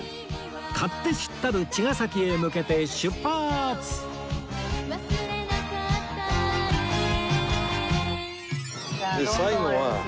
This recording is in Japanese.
勝手知ったる茅ヶ崎へ向けて出発！で最後は。